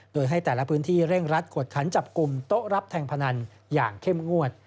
โดยให้แต่ละพื้นที่เร่งรัดกวดขันจับกลุ่มโต๊ะรับแทงพนันอย่างเข้มงวด